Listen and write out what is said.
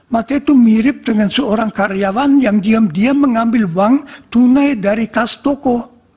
maka itu mirip dengan seorang karyawan yang diam diam mengambil uang tunai dari kas toko